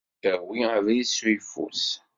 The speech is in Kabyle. Awi abrid s uyeffus.